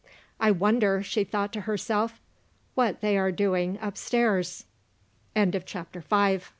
"I wonder," she thought to herself, "what they are doing upstairs?" CHAPTER VI.